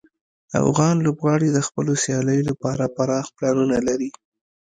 افغان لوبغاړي د خپلو سیالیو لپاره پراخ پلانونه لري.